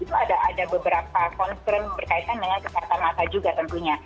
itu ada beberapa concern berkaitan dengan kesehatan mata juga tentunya